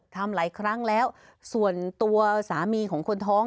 ทำหลายครั้งแล้วส่วนตัวสามีของคนท้อง